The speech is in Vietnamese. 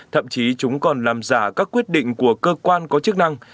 thậm chí chúng còn làm giả các quyết định của cơ quan có chức năng